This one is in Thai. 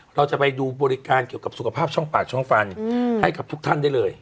เราจะไปดูบริการเกี่ยวกับสุขภาพช่องปากช่องฟันให้กับทุกท่านได้เลย